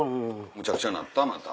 むちゃくちゃになったまた。